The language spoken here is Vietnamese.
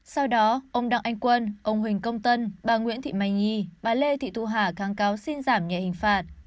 sau đó ông đặng anh quân ông huỳnh công tân bà nguyễn thị mai nhi bà lê thị thu hà kháng cáo xin giảm nhẹ hình phạt